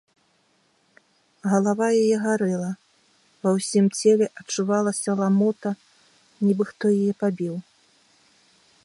Галава яе гарэла, ва ўсім целе адчувалася ламота, нібы хто яе пабіў.